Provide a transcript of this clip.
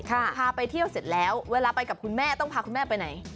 พาไปเที่ยวเสร็จแล้วเวลาไปกับคุณแม่ต้องพาคุณแม่ไปไหน